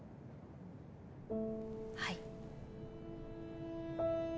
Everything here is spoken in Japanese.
はい。